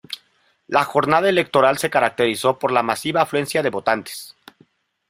La jornada electoral se caracterizó por la masiva afluencia de votantes.